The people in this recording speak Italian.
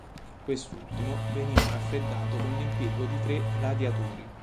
Quest'ultimo, veniva raffreddato con l'impiego di tre radiatori.